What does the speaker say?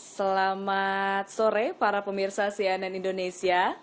selamat sore para pemirsa cnn indonesia